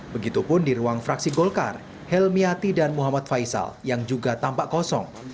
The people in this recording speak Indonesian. begitupun di ruang fraksi golkar helmiati dan muhammad faisal yang juga tampak kosong